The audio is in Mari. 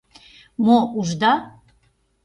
— Мо — ужда?